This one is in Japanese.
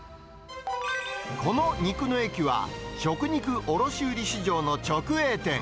この肉の駅は、食肉卸売市場の直営店。